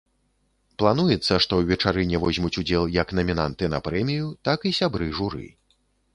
Плануецца, што ў вечарыне возьмуць удзел як намінанты на прэмію, так і сябры журы.